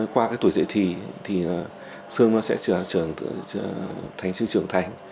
qua tuổi dễ thị xương sẽ trở thành trường thành